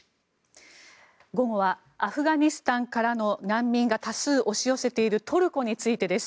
午後はアフガニスタンからの難民が多数押し寄せているトルコについてです。